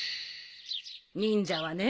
忍者はね